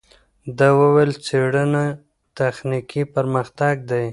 ده وویل، څېړنه تخنیکي پرمختګ دی.